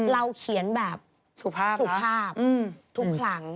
เราเขียนแบบสุภาพสุภาพทุกครั้ง